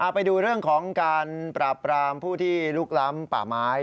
ไปดูเรื่องของการปราบปรามผู้ที่ลุกล้ำป่าไม้